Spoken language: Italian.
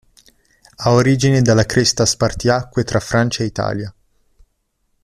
Ha origine dalla cresta spartiacque tra Francia ed Italia.